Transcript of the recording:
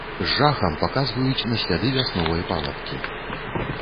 З жахам паказваюць на сляды вясновай павадкі.